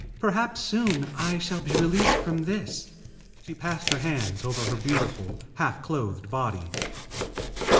Perhaps soon I shall be released from this." She passed her hands over her beautiful, half clothed body.